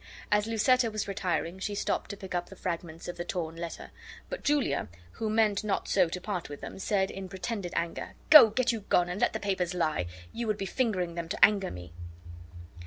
As Lucetta was retiring, she stopped to pick up the fragments of the torn letter; but Julia, who meant not so to part with them, said, in pretended anger, "Go, get you gone, and let the papers lie; you would be fingering them to anger me."